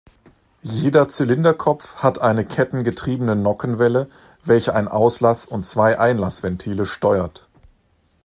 Jeder Zylinderkopf hat eine kettengetriebene Nockenwelle, welche ein Auslass- und zwei Einlassventile steuert.